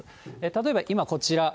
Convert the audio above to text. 例えば今、こちら。